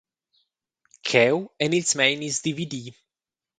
Cheu ein ils meinis dividi.